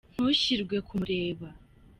Ntushirwe kumureba.